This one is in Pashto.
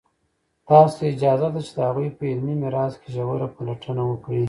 تاسو ته اجازه ده چې د هغوی په علمي میراث کې ژوره پلټنه وکړئ.